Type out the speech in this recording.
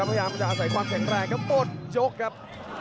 พยายามจะอาศัยความแข็งแรงครับหมดยกครับ